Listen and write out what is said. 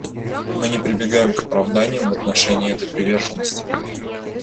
Мы не прибегаем к оправданиям в отношении этой приверженности.